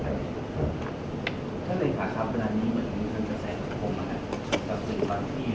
ครับก็วันนี้อย่างที่เรียนนะครับ